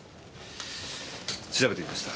調べてみました。